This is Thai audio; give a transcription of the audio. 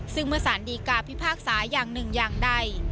ซึ่งเมื่อสารดีกาพิพากษาอย่างหนึ่งอย่างใด